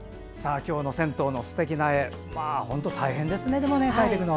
今日の銭湯のすてきな絵大変ですね、描くのは。